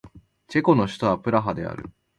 チェコの首都はプラハである